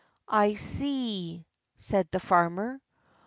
"I see," said the farmer.